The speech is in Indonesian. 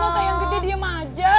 masa yang gede diem aja